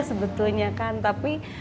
sebetulnya kan tapi